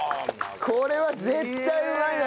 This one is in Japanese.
これは絶対うまいだろ！